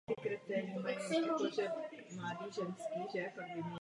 Převzato z Allmusic.